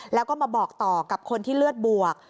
แล้วก็มาบอกต่อกับคนที่เลือดบวก